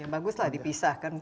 bagus lah dipisahkan